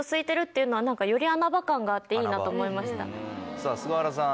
さぁ菅原さん